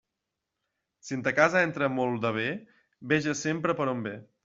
Si en ta casa entra molt de bé, veges sempre per on ve.